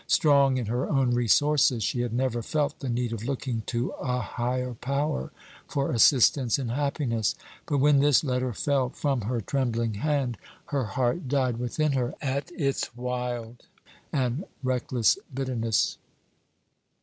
Strong in her own resources, she had never felt the need of looking to a higher power for assistance and happiness. But when this letter fell from her trembling hand, her heart died within her at its wild and reckless bitterness.